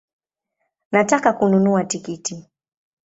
Nataka kununua tikiti